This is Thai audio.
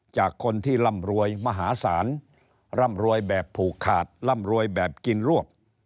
จากคนที่ร่ำรวยมหาศาลร่ำรวยแบบผูกขาดร่ำรวยแบบกินรวบ